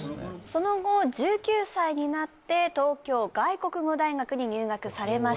その後１９歳になって東京外国語大学に入学されました